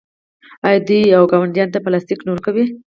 آیا دوی ګاونډیانو ته پلاستیک نه ورکوي؟